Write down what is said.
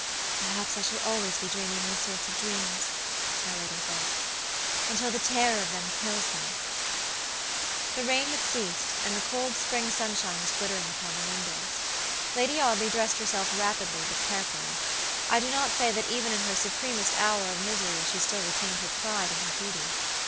"Perhaps I shall be always dreaming these sort of dreams," my lady thought, "until the terror of them kills me!" The rain had ceased, and the cold spring sunshine was glittering upon the windows. Lady Audley dressed herself rapidly but carefully. I do not say that even in her supremest hour of misery she still retained her pride in her beauty.